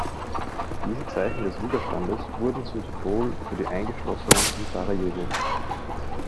Diese Zeichen des Widerstands wurden zum Symbol für die Eingeschlossenen in Sarajevo.